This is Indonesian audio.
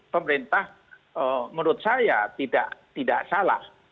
pemerintah menurut saya tidak salah